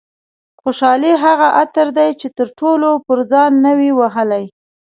خوشحالي هغه عطر دي چې تر څو پر ځان نه وي وهلي.